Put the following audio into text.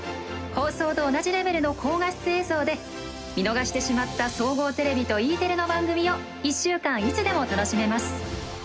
放送と同じレベルの高画質映像で見逃してしまった総合テレビとＥテレの番組を１週間、いつでも楽しめます。